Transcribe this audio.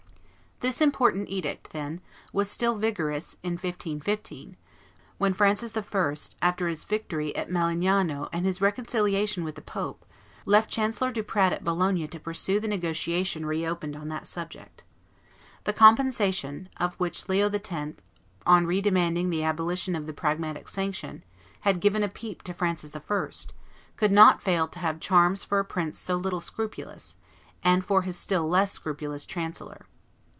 This important edict, then, was still vigorous in 1515, when Francis I., after his victory at Melegnano and his reconciliation with the pope, left Chancellor Duprat at Bologna to pursue the negotiation reopened on that subject. The compensation, of which Leo X., on redemanding the abolition of the Pragmatic Sanction, had given a peep to Francis I., could not fail to have charms for a prince so little scrupulous, and for his still less scrupulous chancellor.